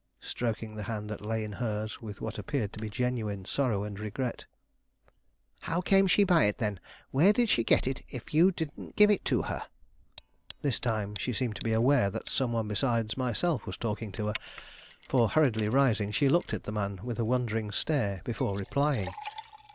stroking the hand that lay in hers with what appeared to be genuine sorrow and regret. "How came she by it, then? Where she did she get it if you didn't give it to her?" This time she seemed to be aware that some one besides myself was talking to her, for, hurriedly rising, she looked at the man with a wondering stare, before replying.